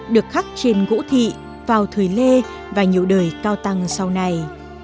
được khắc trên gỗ thị vào thời lê và nhiều đời cao tăng sau này